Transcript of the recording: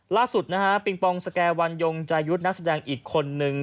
ล่าสุดนะฮะปิงปองสแก่วันยงจายุทธ์นักแสดงอีกคนนึง